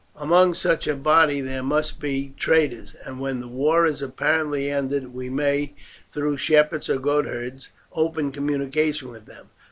"Among such a body there must be traitors, and when the war is apparently ended we may, through shepherds or goatherds, open communication with them.